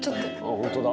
本当だ。